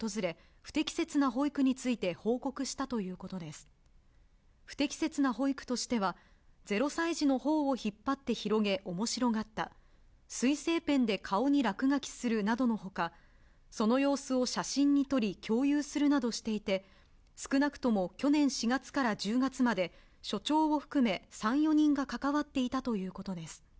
不適切な保育としては、０歳児のほおを引っ張って広げおもしろがった、水性ペンで顔に落書きするなどのほか、その様子を写真で撮り共有するなどしていて、少なくとも去年４月から１０月まで、所長を含め３、４人が関わっていたということです。